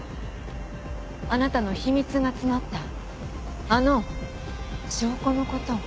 あなたの秘密が詰まったあの証拠のこと。